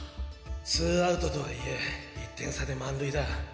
ツーアウトとはいえ１点差で満塁だ。